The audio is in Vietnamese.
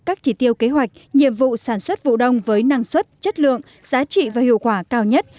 các chỉ tiêu kế hoạch nhiệm vụ sản xuất vụ đông với năng suất chất lượng giá trị và hiệu quả cao nhất